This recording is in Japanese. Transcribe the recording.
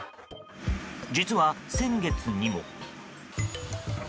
実は、先月にも。